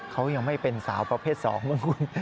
เขายังไม่เป็นสาวประเภท๒เมื่อกี้